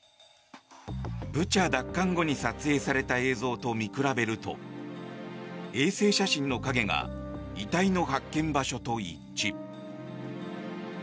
ブチャ奪還後に撮影された映像と見比べると衛星写真の影が遺体の発見場所と一致。